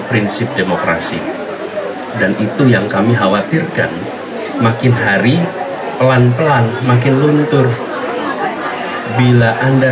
prinsip demokrasi dan itu yang kami khawatirkan makin hari pelan pelan makin luntur bila anda